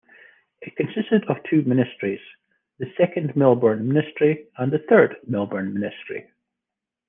It consisted of two ministries: the second Melbourne ministry and the third Melbourne ministry.